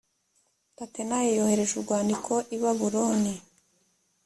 tatenayi yohereje urwandiko i babuloni